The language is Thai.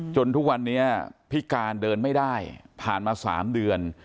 ทุกวันนี้พิการเดินไม่ได้ผ่านมา๓เดือน